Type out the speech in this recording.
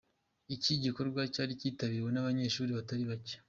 Iki gikorwa cyari kitabiriwe n'abanyeshuri batari bake.